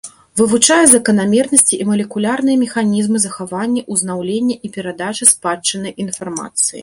Вывучае заканамернасці і малекулярныя механізмы захавання, узнаўлення і перадачы спадчыннай інфармацыі.